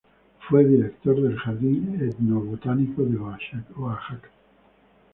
Fue Director del Jardín Etnobotánico de Oaxaca.